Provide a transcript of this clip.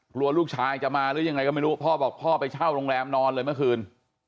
กลัวลูกชายจะมาหรือยังไงก็ไม่รู้พ่อบอกพ่อไปเช่าโรงแรมนอนเลยเมื่อคืน